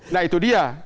nah itu dia